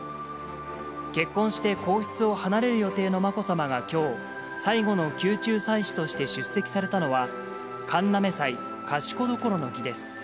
結婚して皇室を離れる予定のまこさまがきょう、最後の宮中祭祀として出席されたのは、神嘗祭賢所の儀です。